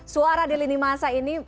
suara di lini masa ini